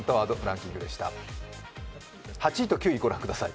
８位と９位をご覧ください。